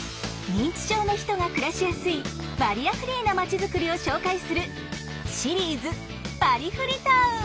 認知症の人が暮らしやすいバリアフリーな町づくりを紹介するシリーズ「バリフリ・タウン」。